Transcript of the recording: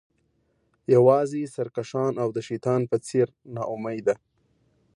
یوازې سرکښان او د شیطان په څیر ناامیده